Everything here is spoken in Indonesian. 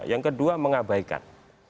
yang kedua mengabaikan